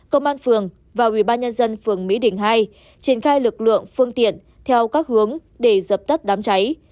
công an phường và ubnd phường mỹ đình hai triển khai lực lượng phương tiện theo các hướng để dập tắt đám cháy